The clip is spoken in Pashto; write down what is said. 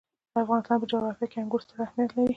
د افغانستان په جغرافیه کې انګور ستر اهمیت لري.